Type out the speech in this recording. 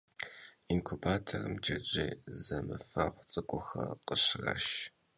Yinkubatorım cecêy zemıfeğu ts'ık'uxer khışraşş.